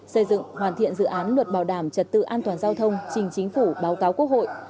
xây dựng hoàn thiện dự án luật bảo đảm trật tự an toàn giao thông trình chính phủ báo cáo quốc hội